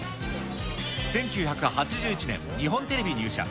１９８１年、日本テレビ入社。